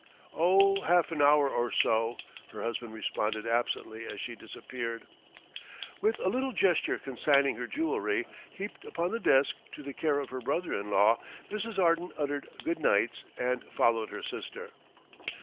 "Oh, half an hour or so," her husband responded absently as she disappeared. With a little gesture consigning her jewellery, heaped upon the desk, to the care of her brother in law, Mrs. Arden uttered good nights and followed her sister.